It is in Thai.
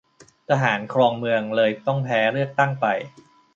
ทหารครองเมือง เลยต้องแพ้เลือกตั้งไป